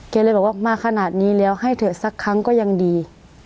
เลยบอกว่ามาขนาดนี้แล้วให้เถอะสักครั้งก็ยังดี